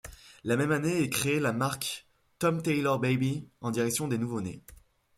La même année est créée la marque Tom Tailor Baby en direction des nouveau-nés.